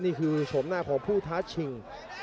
นี่คือชมหน้าของผู้ทัชชิง